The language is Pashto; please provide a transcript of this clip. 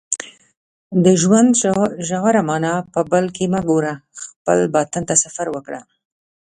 د ژوند ژوره معنا په بل کې مه ګوره خپل باطن ته سفر وکړه